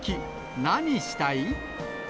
何したい？